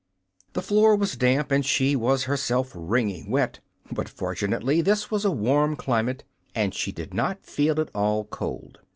The floor was damp and she was herself wringing wet, but fortunately this was a warm climate and she did not feel at all cold.